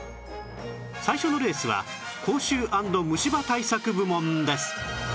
最初のレースは口臭＆虫歯対策部門です